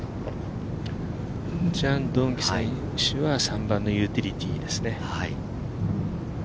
ジャン・ドンキュ選手は、３番のユーティリティーですね。